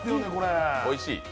おいしい？